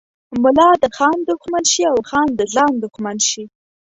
ملا د خان دښمن شي او خان د ځان دښمن شي.